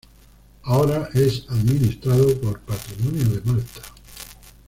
Ahora es administrado por Patrimonio de Malta.